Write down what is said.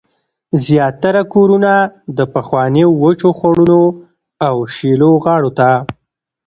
زیاتره کورونه د پخوانیو وچو خوړونو او شیلو غاړو ته